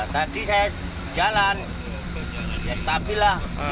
tadi saya jalan ya stabil lah